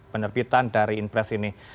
penerbitan dari impres ini